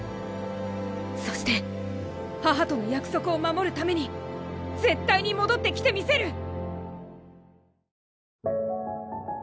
そして母との約束を守るために絶対に戻ってきてみせる！